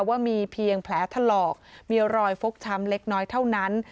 ว่ามีเพียงแผลถลอกมีรอยฟกช้ำเล็กน้อยเท่านั้น